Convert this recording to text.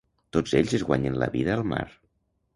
Tots ells es guanyen la vida al mar.